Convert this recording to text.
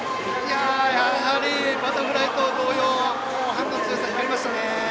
やはりバタフライ同様後半の強さが光りましたね。